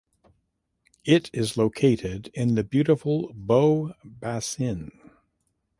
It is located in the beautiful Beau Bassin.